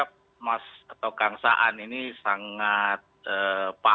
ya pertama saya kira mas atau kang saan ini sangat berharga